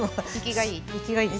生きがいい。